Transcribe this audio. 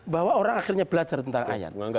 bahwa orang akhirnya belajar tentang ayat